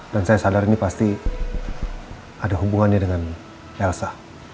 dan saya sadar ini pasti ada hubungannya dengan elsa